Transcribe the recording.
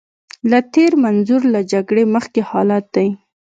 له تېر منظور له جګړې مخکې حالت دی.